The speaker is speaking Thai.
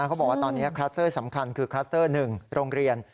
เขาบอกว่าตอนนี้คลัสเตอร์สำคัญคือคลัสเตอร์๑โรงเรียน